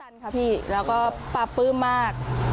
นี่แล้วก็ปรับปื้มมาก